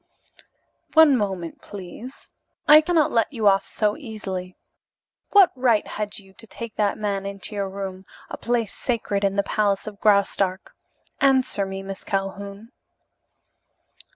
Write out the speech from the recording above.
"One moment, please. I cannot let you off so easily. What right had you to take that man into your room, a place sacred in the palace of Graustark? Answer me, Miss Calhoun."